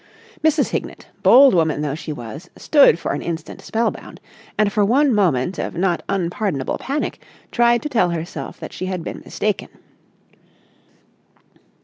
Mrs. Hignett, bold woman though she was, stood for an instant spell bound, and for one moment of not unpardonable panic tried to tell herself that she had been mistaken.